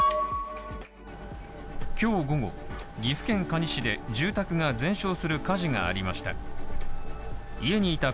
今日午後、岐阜県可児市で住宅が全焼する火事がありました。